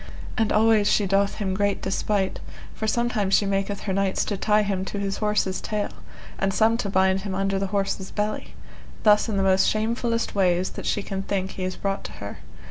And always she doth him great despite, for sometime she maketh her knights to tie him to his horse's tail, and some to bind him under the horse's belly; thus in the most shamefullest ways that she can think he is brought to her.